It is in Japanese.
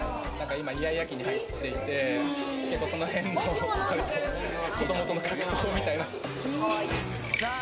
今、イヤイヤ期に入っていて、その辺の子どもとの格闘みたいな。